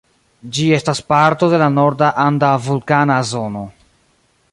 Ĝi estas parto de la Norda Anda Vulkana Zono.